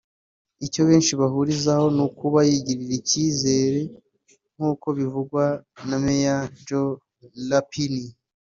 icyo benshi bahurizaho ni ukuba yigirira icyizere nk’uko bivugwa na Mary Jo Rapini